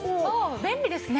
便利ですね。